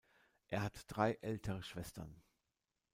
Er hat drei ältere Schwestern.